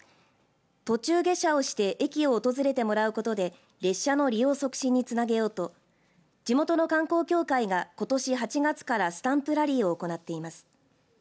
途中下車をして駅を訪れてもらうことで列車の利用促進につなげようと地元の観光協会がことし８月からスタンプラリーを行っています。